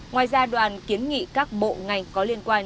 ngoài ra đoàn kiến nghị các bộ ngành có liên quan